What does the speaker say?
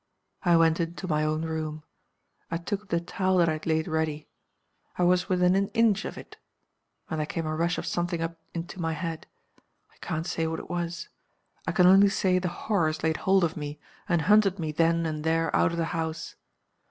I went into my own room. I took up the towel that I had laid ready. I was within an inch of it when there came a rush of something up into my head. I can't say what it was. I can only say the horrors laid hold of me and hunted me then and there out of the house.